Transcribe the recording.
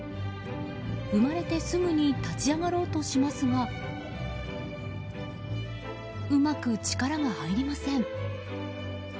生まれてすぐに立ち上がろうとしますがうまく力が入りません。